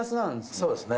そうですね。